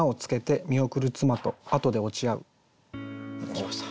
きました。